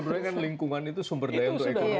karena kan lingkungan itu sumber daya untuk ekonomi ya